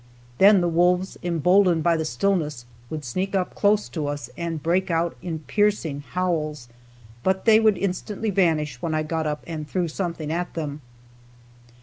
Then the wolves emboldened by the stillness, would sneak up close to us and break out in piercing howls, but they would instantly vanish when I got up and threw something at them.